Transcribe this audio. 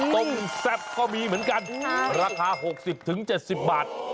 ต้มแซ่บก็มีเหมือนกันราคา๖๐๗๐บาท